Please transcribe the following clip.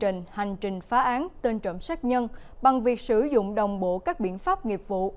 trình hành trình phá án tên trộm sát nhân bằng việc sử dụng đồng bộ các biện pháp nghiệp vụ